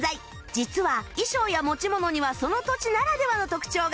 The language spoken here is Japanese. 実は衣装や持ち物にはその土地ならではの特徴が